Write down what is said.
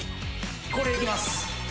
これいきます。